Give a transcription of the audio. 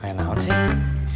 gimana sih si pebri sakit